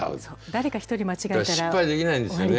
誰か一人間違えたら終わりですよね。